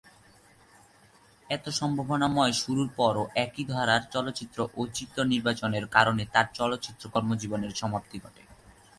এত সম্ভাবনাময় শুরুর পরও একই ধারার চলচ্চিত্র ও চরিত্র নির্বাচনের কারণে তার চলচ্চিত্র কর্মজীবনের সমাপ্তি ঘটে।